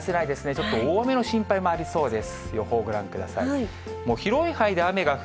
ちょっと大雨の心配もありそうです。